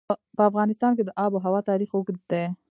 په افغانستان کې د آب وهوا تاریخ اوږد دی.